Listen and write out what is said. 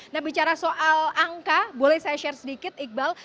nah bicara soal angka boleh saya share sedikit iqbal